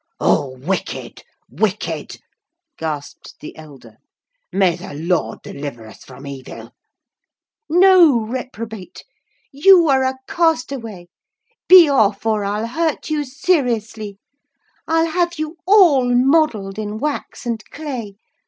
"Oh, wicked, wicked!" gasped the elder; "may the Lord deliver us from evil!" "No, reprobate! you are a castaway—be off, or I'll hurt you seriously! I'll have you all modelled in wax and clay!